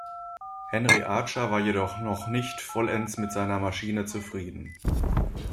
Henry Archer war jedoch noch nicht vollends mit seiner Maschine zufrieden.